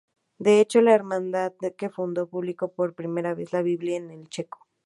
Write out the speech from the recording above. De hecho la hermandad que fundó, publicó por primera vez la Biblia en checo.